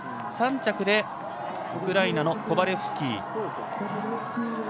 ３着でウクライナのコバレフスキー。